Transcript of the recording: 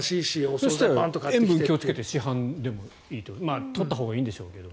そしたら塩分に気をつけて市販でも取ったほうがいいんでしょうけど。